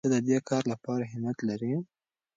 آیا ته د دې کار لپاره همت لرې؟